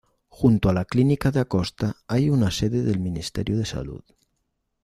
Junto a la Clínica de Acosta hay una sede del Ministerio de Salud.